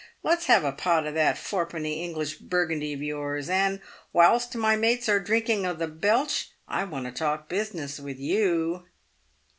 Let's have a pot of that fourpenny English Burgundy of yours, and, whilst my mates are drinking the * belch,' I want to talk business with you."